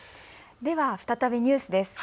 では再びニュースです。